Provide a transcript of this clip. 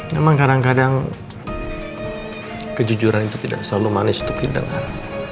memang kadang kadang kejujuran itu tidak selalu manis untuk didengar